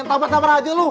tampar tampar aja lu